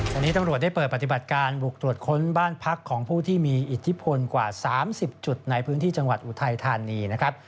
ตอนนี้ตำรวจได้เปิดปฏิบัติการบุกตรวจค้นบ้านพักของผู้ที่มีอิทธิพลกว่า๓๐จุดในพื้นที่จังหวัดอุทัยธานีนะครับ